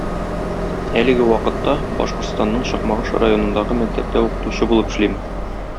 Әлеге вакытта Башкортостанның Чакмагыш районындагы мәктәптә укытучы булып эшлим.